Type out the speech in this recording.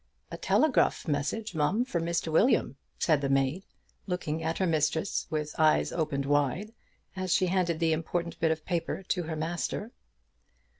"A telegruff message, mum, for Mr. William," said the maid, looking at her mistress with eyes opened wide, as she handed the important bit of paper to her master.